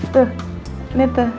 tuh liat tuh